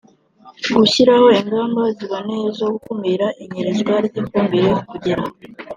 gushyiraho ingamba ziboneye zo gukumira inyerezwa ry ifumbire kugira